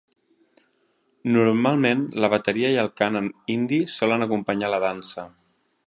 Normalment, la bateria i el cant en hindi solen acompanyar la dansa.